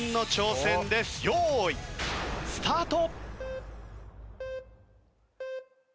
用意スタート！